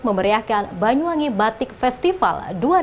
memberiakan banyuwangi batik festival dua ribu enam belas